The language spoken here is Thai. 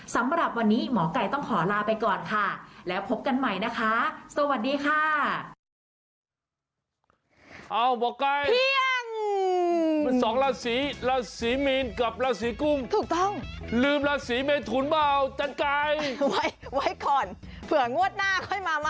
สำหรับวันนี้หมอไก่ต้องขอลาไปก่อนค่ะแล้วพบกันใหม่นะคะสวัสดีค่ะ